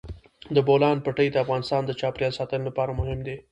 د بولان پټي د افغانستان د چاپیریال ساتنې لپاره مهم دي.